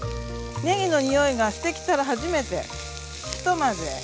ねぎのにおいがしてきたら初めてひと混ぜ。